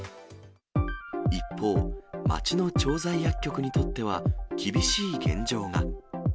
一方、町の調剤薬局にとっては厳しい現状が。